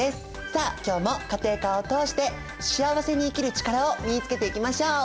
さあ今日も家庭科を通して幸せに生きる力を身につけていきましょう！